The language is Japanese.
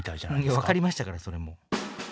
分かりましたからそれもう。